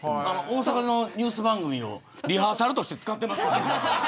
大阪のニュース番組をリハーサルとして使ってますね。